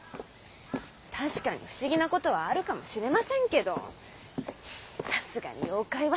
確かに不思議なことはあるかもしれませんけどさすがに妖怪は。